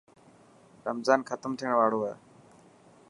رمضان ختم ٿيڻ واڙو هي.